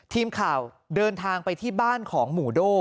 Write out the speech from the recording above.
ทีมข่าวเดินทางไปที่บ้านของหมู่โด่